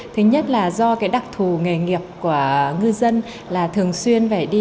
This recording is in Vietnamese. thứ nhất là do cái đặc thù nghề nghiệp của ngư dân là thường xuyên phải đi